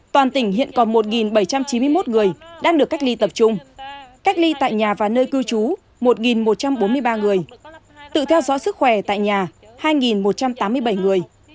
toàn tỉnh hiện còn một bảy trăm chín mươi một người đang được cách ly tập trung cách ly tại nhà và nơi cư trú một một trăm bốn mươi ba người tự theo dõi sức khỏe tại nhà hai một trăm tám mươi bảy người